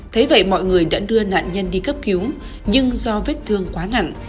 thế vậy mọi người đã đưa nạn nhân đi cấp cứu nhưng do vết thương quá nặng